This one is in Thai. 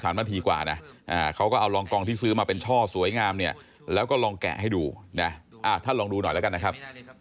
กว่านะเขาก็เอารองกองที่ซื้อมาเป็นช่อสวยงามเนี่ยแล้วก็ลองแกะให้ดูนะท่านลองดูหน่อยแล้วกันนะครับ